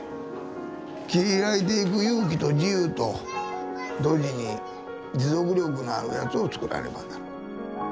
切り開いていく勇気と自由と同時に持続力のあるやつをつくらねばならん。